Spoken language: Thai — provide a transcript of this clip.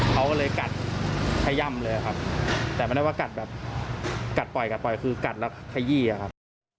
เขาก็เลยกัดขย่ำเลยครับแต่ไม่ได้ว่ากัดแบบกัดปล่อยกัดปล่อยคือกัดแล้วขยี้อะครับ